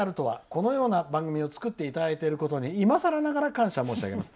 このような番組を作っていただいていることにいまさらながら感謝申し上げます。